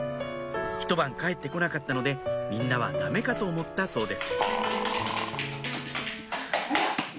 ひと晩帰って来なかったのでみんなはダメかと思ったそうです